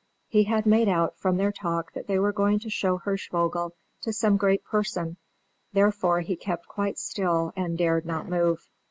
He had made out from their talk that they were going to show Hirschvogel to some great person: therefore he kept quite still and dared not move.